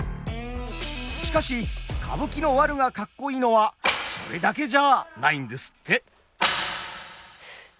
しかし歌舞伎のワルがカッコいいのはそれだけじゃないんですって！